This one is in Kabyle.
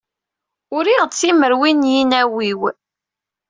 Uriɣ-d timerwit n yinaw-iw.